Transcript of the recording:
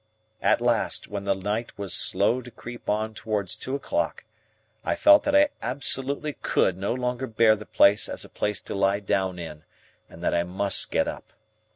At last, when the night was slow to creep on towards two o'clock, I felt that I absolutely could no longer bear the place as a place to lie down in, and that I must get up.